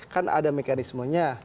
kan ada mekanismenya